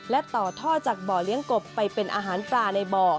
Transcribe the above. และต่อท่อจากบ่อเลี้ยงกบไปเป็นอาหารปลาในบ่อ